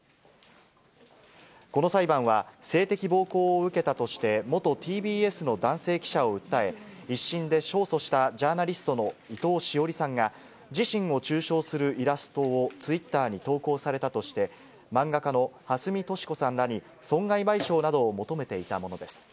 この裁判は、性的暴行を受けたとして元ＴＢＳの男性記者を訴え、１審で勝訴したジャーナリストの伊藤詩織さんが、自身を中傷するイラストをツイッターに投稿されたとして、漫画家のはすみとしこさんらに、損害賠償を求めていたものです。